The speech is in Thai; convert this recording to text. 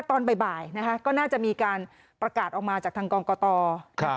ตอนบ่ายนะคะก็น่าจะมีการประกาศออกมาจากทางกองกตครับ